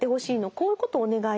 こういうことお願いね。